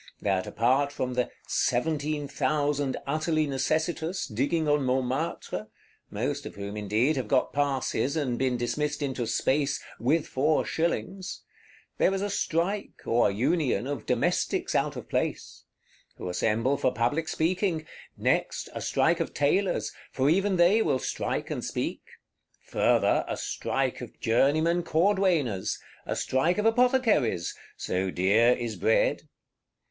That apart from the "seventeen thousand utterly necessitous, digging on Montmartre," most of whom, indeed, have got passes, and been dismissed into Space "with four shillings,"—there is a strike, or union, of Domestics out of place; who assemble for public speaking: next, a strike of Tailors, for even they will strike and speak; further, a strike of Journeymen Cordwainers; a strike of Apothecaries: so dear is bread.